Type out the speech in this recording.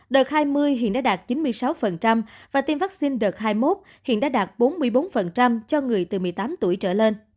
đợt hai mươi hiện đã đạt chín mươi sáu và tiêm vaccine đợt hai mươi một hiện đã đạt bốn mươi bốn cho người từ một mươi tám tuổi trở lên